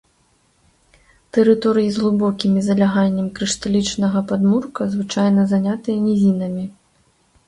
Тэрыторыі з глыбокім заляганнем крышталічнага падмурка звычайна занятыя нізінамі.